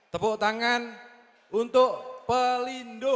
tepuk tangan untuk pelindo